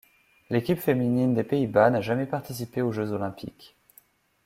L'équipe féminine des Pays-Bas n'a jamais participé aux Jeux olympiques.